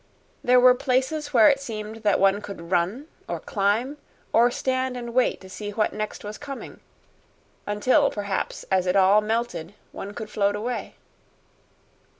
There were places where it seemed that one could run or climb or stand and wait to see what next was coming until, perhaps, as it all melted, one could float away.